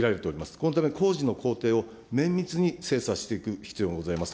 このため工事の工程を綿密に精査していく必要がございます。